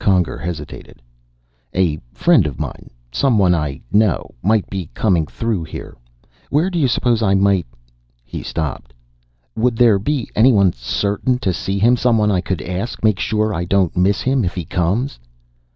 Conger hesitated. "A friend of mine someone I know, might be coming through here. Where do you suppose I might " He stopped. "Would there be anyone certain to see him? Someone I could ask, make sure I don't miss him if he comes?"